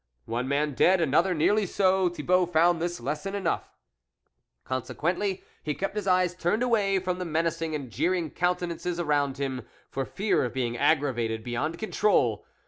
One man dead, another nearly so Thibault found this lesson enough. Con sequently, he kept his eyes turned away from the menacing and jeering counte nances around him, for fear of being aggravated beyond control.